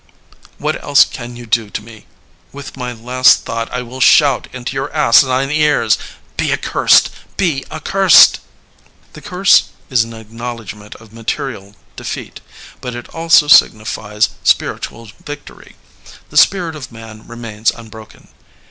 What else can you do to me? ... With my last thought I will shout into your asinine ears: Be accursed, be accursed I" The curse is an acknowledgment of material de feat. But it also signifies spiritual victory. The spirit of Man remains unbroken.